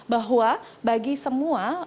bahwa bagi semua